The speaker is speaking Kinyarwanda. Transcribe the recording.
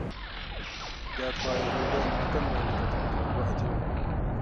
Byatwaye hirwa iminota mirongo itatu kugirango agereyo.